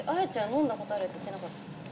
飲んだことあるって言ってなかったっけ？